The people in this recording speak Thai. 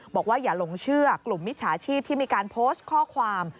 บอกว่าอย่าหลงเชื่อกลุ่มมิจฉาชีพที่มีการโพสต์ข้อความ